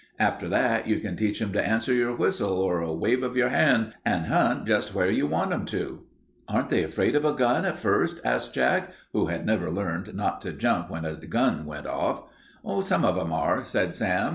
After that, you can teach 'em to answer your whistle or a wave of your hand and hunt just where you want 'em to." "Aren't they afraid of a gun at first?" asked Jack, who had never learned not to jump when a gun went off. "Some of 'em are," said Sam.